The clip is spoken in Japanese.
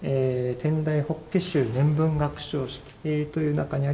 「天台法華宗年分学生式」という中にあります